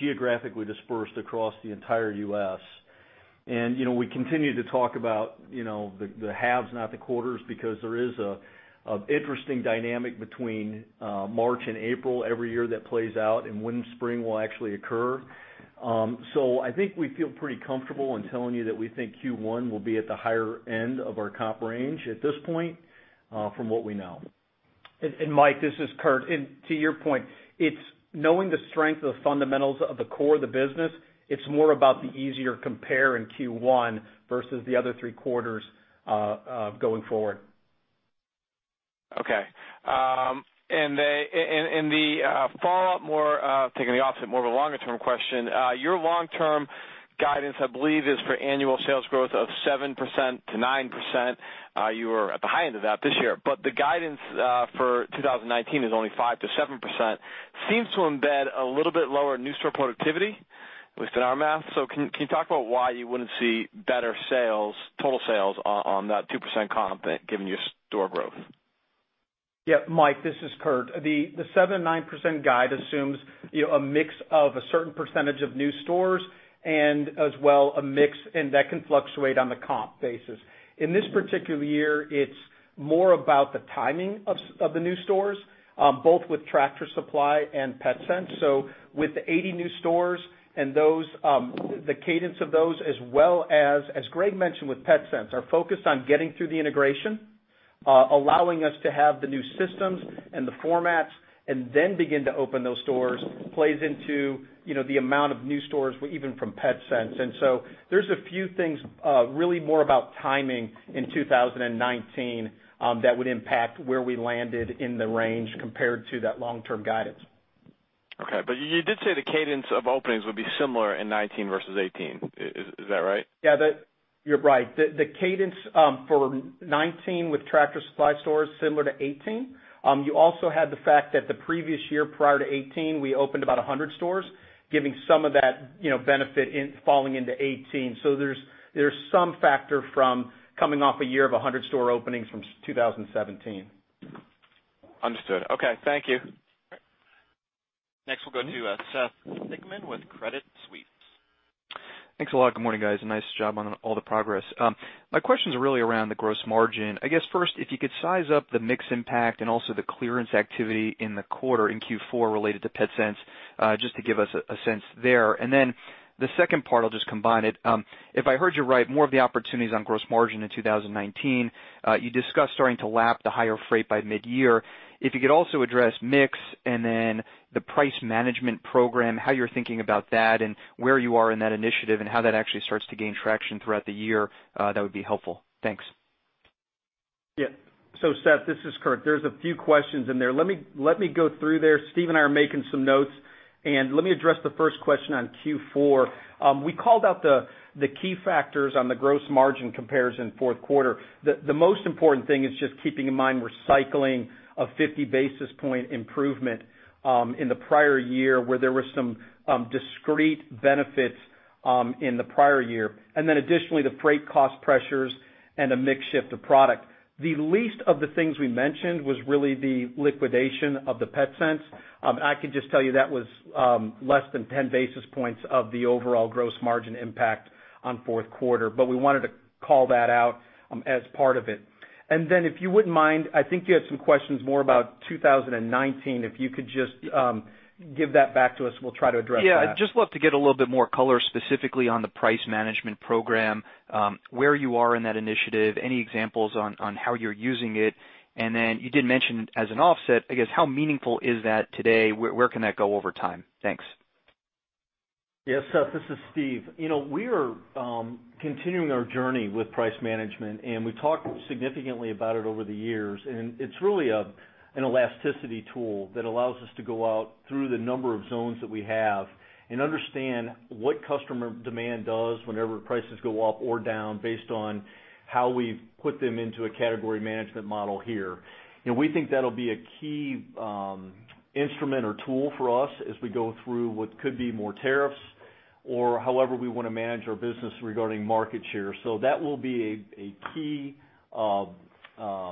geographically dispersed across the entire U.S. We continue to talk about the halves, not the quarters, because there is an interesting dynamic between March and April every year that plays out and when spring will actually occur. I think we feel pretty comfortable in telling you that we think Q1 will be at the higher end of our comp range at this point, from what we know. Mike, this is Kurt. To your point, it's knowing the strength of the fundamentals of the core of the business. It's more about the easier compare in Q1 versus the other three quarters going forward. Okay. The follow-up more, taking the opposite, more of a longer-term question. Your long-term guidance, I believe, is for annual sales growth of 7%-9%. You were at the high end of that this year, but the guidance for 2019 is only 5% to 7%. Seems to embed a little bit lower new store productivity within our math. Can you talk about why you wouldn't see better total sales on that 2% comp given your store growth? Mike, this is Kurt. The 7%-9% guide assumes a mix of a certain percentage of new stores and as well a mix, and that can fluctuate on the comp basis. In this particular year, it's more about the timing of the new stores, both with Tractor Supply and Petsense. With the 80 new stores and the cadence of those, as well as Greg mentioned with Petsense, are focused on getting through the integration, allowing us to have the new systems and the formats, and then begin to open those stores, plays into the amount of new stores, even from Petsense. There's a few things really more about timing in 2019 that would impact where we landed in the range compared to that long-term guidance. Okay. You did say the cadence of openings would be similar in 2019 versus 2018. Is that right? Yeah. You're right. The cadence for 2019 with Tractor Supply Stores, similar to 2018. You also had the fact that the previous year, prior to 2018, we opened about 100 stores, giving some of that benefit falling into 2018. There's some factor from coming off a year of 100 store openings from 2017. Understood. Okay. Thank you. Next, we'll go to Seth Sigman with Credit Suisse. Thanks a lot. Good morning, guys. Nice job on all the progress. My question's really around the gross margin. I guess first, if you could size up the mix impact and also the clearance activity in the quarter, in Q4, related to Petsense, just to give us a sense there. The second part, I'll just combine it. If I heard you right, more of the opportunity's on gross margin in 2019. You discussed starting to lap the higher freight by mid-year. If you could also address mix and then the price management program, how you're thinking about that and where you are in that initiative and how that actually starts to gain traction throughout the year, that would be helpful. Thanks. Yeah. Seth, this is Kurt. There's a few questions in there. Let me go through there. Steve and I are making some notes, let me address the first question on Q4. We called out the key factors on the gross margin comparison fourth quarter. The most important thing is just keeping in mind we're cycling a 50 basis points improvement, in the prior year where there were some discrete benefits in the prior year. Additionally, the freight cost pressures and a mix shift of product. The least of the things we mentioned was really the liquidation of the Petsense. I could just tell you that was less than 10 basis points of the overall gross margin impact on fourth quarter, but we wanted to call that out as part of it. If you wouldn't mind, I think you had some questions more about 2019. If you could just give that back to us and we'll try to address that. Yeah. I'd just love to get a little bit more color specifically on the price management program, where you are in that initiative, any examples on how you're using it. You did mention as an offset, I guess, how meaningful is that today? Where can that go over time? Thanks. Seth, this is Steve. We are continuing our journey with price management, and we've talked significantly about it over the years. It's really an elasticity tool that allows us to go out through the number of zones that we have and understand what customer demand does whenever prices go up or down based on how we've put them into a category management model here. We think that'll be a key instrument or tool for us as we go through what could be more tariffs or however we want to manage our business regarding market share. That will be a key, I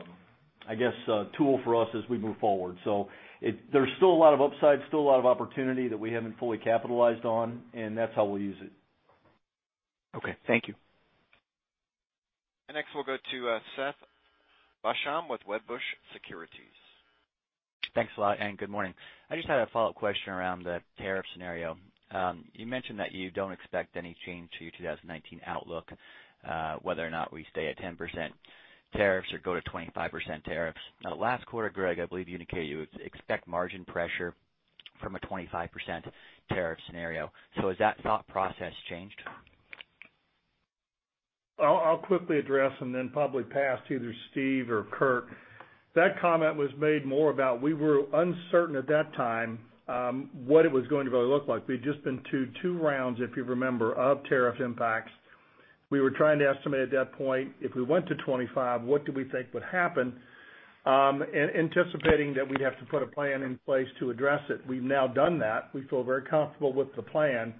guess, tool for us as we move forward. There's still a lot of upside, still a lot of opportunity that we haven't fully capitalized on, and that's how we'll use it. Okay. Thank you. Next, we'll go to Seth Basham with Wedbush Securities. Thanks a lot, and good morning. I just had a follow-up question around the tariff scenario. You mentioned that you don't expect any change to your 2019 outlook, whether or not we stay at 10% tariffs or go to 25% tariffs. Now, last quarter, Greg, I believe you indicated you expect margin pressure from a 25% tariff scenario. Has that thought process changed? I'll quickly address and then probably pass to either Steve or Kurt. That comment was made more about, we were uncertain at that time what it was going to really look like. We'd just been through two rounds, if you remember, of tariff impacts. We were trying to estimate at that point, if we went to 25, what do we think would happen? Anticipating that we'd have to put a plan in place to address it. We've now done that. We feel very comfortable with the plan.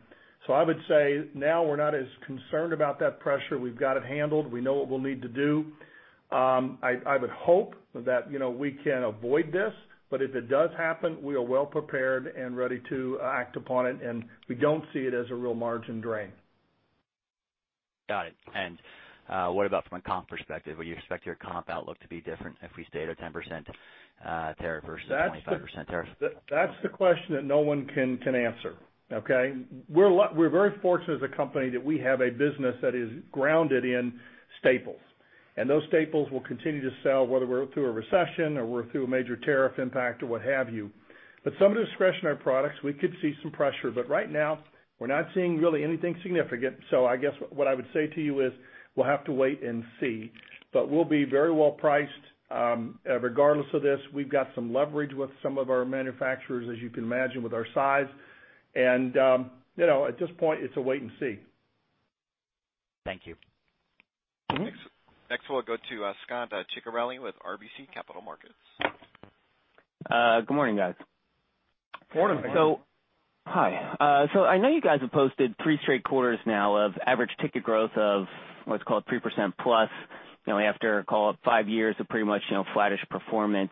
I would say now we're not as concerned about that pressure. We've got it handled. We know what we'll need to do. I would hope that we can avoid this. If it does happen, we are well prepared and ready to act upon it, and we don't see it as a real margin drain. Got it. What about from a comp perspective? Would you expect your comp outlook to be different if we stayed at 10% tariff versus a 25% tariff? That's the question that no one can answer. Okay? We're very fortunate as a company that we have a business that is grounded in staples. Those staples will continue to sell whether we're through a recession or we're through a major tariff impact or what have you. Some of the discretionary products, we could see some pressure. Right now, we're not seeing really anything significant. I guess what I would say to you is, we'll have to wait and see. We'll be very well priced. Regardless of this, we've got some leverage with some of our manufacturers, as you can imagine, with our size. At this point, it's a wait and see. Thank you. Next, we'll go to Scot Ciccarelli with RBC Capital Markets. Good morning, guys. Morning. Hi. I know you guys have posted three straight quarters now of average ticket growth of what's called 3%+, after, call it five years of pretty much flattish performance.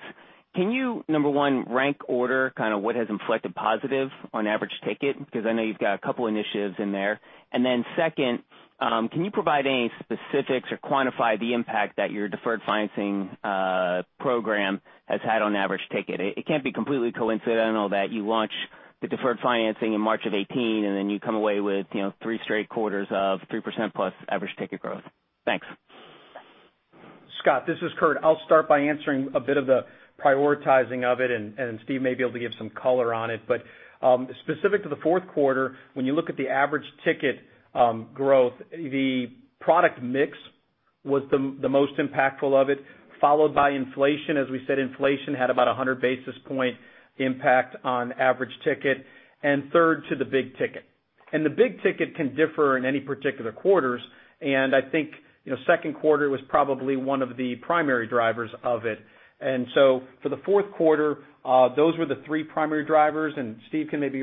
Can you, number one, rank order kind of what has inflected positive on average ticket? Because I know you've got a couple initiatives in there. Then second, can you provide any specifics or quantify the impact that your deferred financing program has had on average ticket? It can't be completely coincidental that you launch the deferred financing in March of 2018, and then you come away with three straight quarters of 3%+ average ticket growth. Thanks. Scot, this is Kurt. I'll start by answering a bit of the prioritizing of it, and Steve may be able to give some color on it. Specific to the fourth quarter, when you look at the average ticket growth, the product mix was the most impactful of it, followed by inflation. As we said, inflation had about 100 basis point impact on average ticket, and third to the big ticket. The big ticket can differ in any particular quarters, and I think second quarter was probably one of the primary drivers of it. For the fourth quarter, those were the three primary drivers and Steve can maybe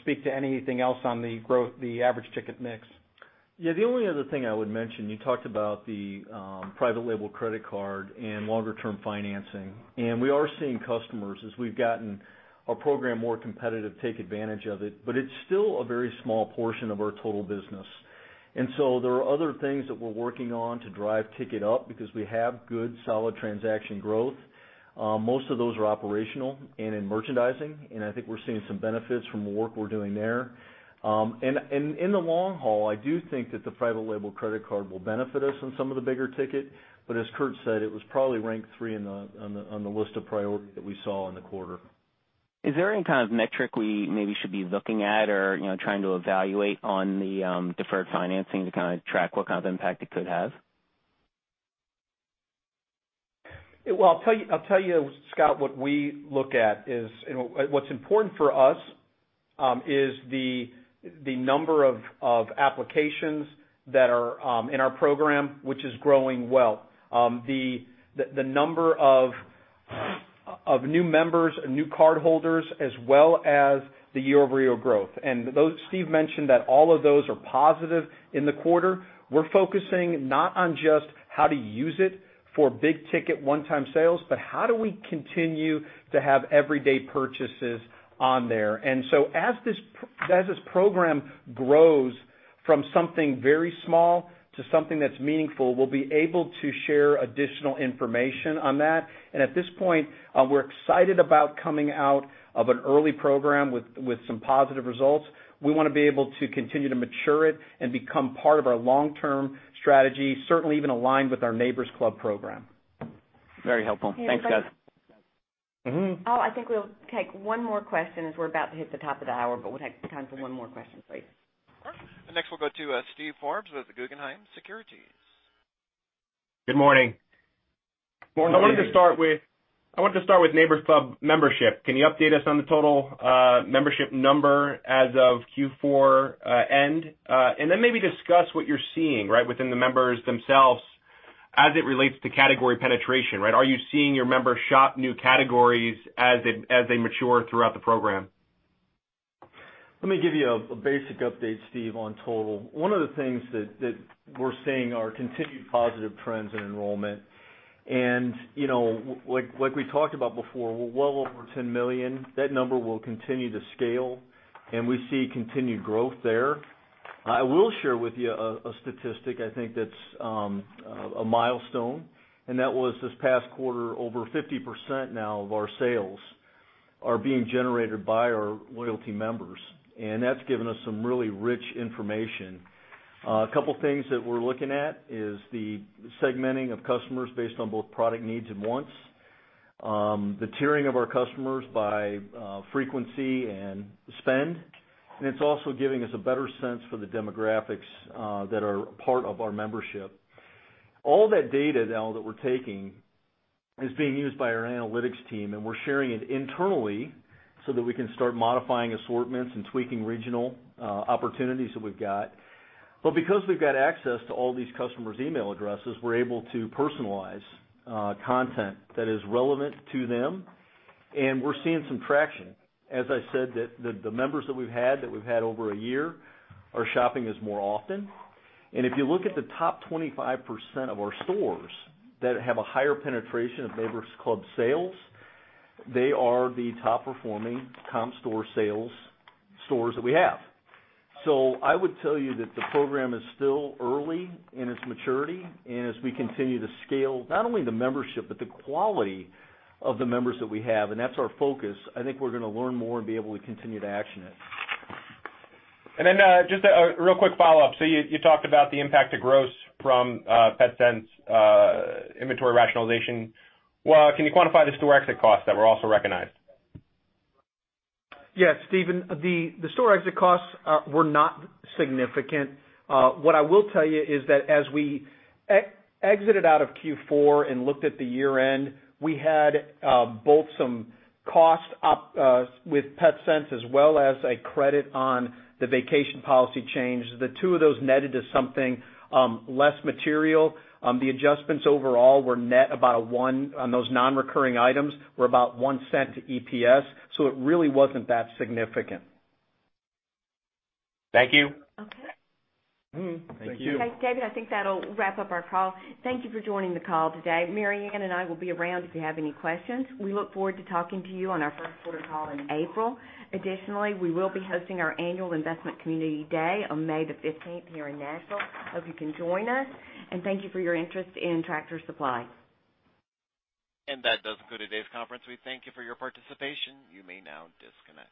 speak to anything else on the average ticket mix. Yeah, the only other thing I would mention, you talked about the private label credit card and longer term financing. We are seeing customers, as we've gotten our program more competitive, take advantage of it, but it's still a very small portion of our total business. There are other things that we're working on to drive ticket up because we have good, solid transaction growth. Most of those are operational and in merchandising, and I think we're seeing some benefits from the work we're doing there. In the long haul, I do think that the private label credit card will benefit us on some of the bigger ticket. As Kurt said, it was probably ranked three on the list of priority that we saw in the quarter. Is there any kind of metric we maybe should be looking at or trying to evaluate on the deferred financing to kind of track what kind of impact it could have? Well, I'll tell you, Scot, what we look at is, what's important for us is the number of applications that are in our program, which is growing well. The number of new members, new cardholders, as well as the year-over-year growth. Steve mentioned that all of those are positive in the quarter. We're focusing not on just how to use it for big ticket one-time sales, but how do we continue to have everyday purchases on there. As this program grows from something very small to something that's meaningful, we'll be able to share additional information on that. At this point, we're excited about coming out of an early program with some positive results. We want to be able to continue to mature it and become part of our long-term strategy, certainly even aligned with our Neighbor's Club program. Very helpful. Thanks, guys. I think we'll take one more question as we're about to hit the top of the hour, but we'll take time for one more question, please. All right. Next, we'll go to Steve Forbes with Guggenheim Securities. Good morning. Morning. I wanted to start with Neighbor's Club membership. Can you update us on the total membership number as of Q4 end? Maybe discuss what you're seeing, right, within the members themselves as it relates to category penetration, right? Are you seeing your members shop new categories as they mature throughout the program? Let me give you a basic update, Steve, on total. One of the things that we're seeing are continued positive trends in enrollment. Like we talked about before, we're well over 10 million. That number will continue to scale, and we see continued growth there. I will share with you a statistic, I think that's a milestone, and that was this past quarter, over 50% now of our sales are being generated by our loyalty members, and that's given us some really rich information. A couple things that we're looking at is the segmenting of customers based on both product needs and wants, the tiering of our customers by frequency and spend, and it's also giving us a better sense for the demographics that are part of our membership. All that data now that we're taking is being used by our analytics team, and we're sharing it internally so that we can start modifying assortments and tweaking regional opportunities that we've got. Because we've got access to all these customers' email addresses, we're able to personalize content that is relevant to them, and we're seeing some traction. As I said, the members that we've had over a year are shopping with us more often. If you look at the top 25% of our stores that have a higher penetration of Neighbor's Club sales, they are the top-performing comp store sales stores that we have. I would tell you that the program is still early in its maturity, and as we continue to scale, not only the membership, but the quality of the members that we have, and that's our focus, I think we're going to learn more and be able to continue to action it. Just a real quick follow-up. You talked about the impact to gross from Petsense inventory rationalization. Can you quantify the store exit costs that were also recognized? Yes, Steven, the store exit costs were not significant. What I will tell you is that as we exited out of Q4 and looked at the year-end, we had both some cost up with Petsense as well as a credit on the vacation policy change. The two of those netted to something less material. The adjustments overall were net about a one—on those non-recurring items were about $0.01 to EPS, so it really wasn't that significant. Thank you. Okay. Thank you. Okay, David, I think that'll wrap up our call. Thank you for joining the call today. Marianna and I will be around if you have any questions. We look forward to talking to you on our first quarter call in April. Additionally, we will be hosting our annual investment community day on May the 15th here in Nashville. Hope you can join us, and thank you for your interest in Tractor Supply. That does conclude today's conference. We thank you for your participation. You may now disconnect.